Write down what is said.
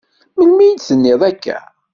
Melmi i d-tenniḍ akka?